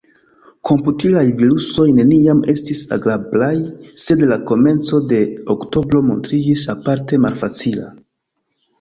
Komputilaj virusoj neniam estis agrablaj, sed la komenco de oktobro montriĝis aparte malfacila.